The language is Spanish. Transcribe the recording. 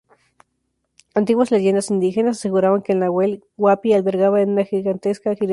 Antiguas leyendas indígenas aseguraban que el Nahuel Huapi albergaba a una gigantesca criatura.